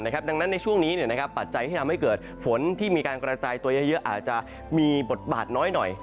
ดังนั้นในช่วงนี้ปัจจัยที่ทำให้เกิดฝนที่มีการกระจายตัวเยอะอาจจะมีบทบาทน้อยหน่อย